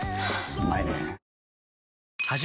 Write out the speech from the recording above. うまいねぇ。